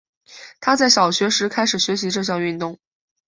她在小学时开始学习这项运动。